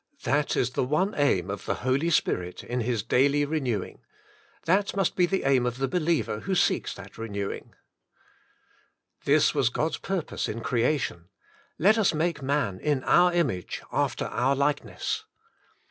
That is the one aim of the Holy Spirit in His daily re newing ; that must be the aim of the believer who seeks that renewing. This was God's purpose in creation, "Let us make man in our image, after our likeness."